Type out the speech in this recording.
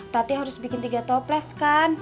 tati harus bikin tiga toples kan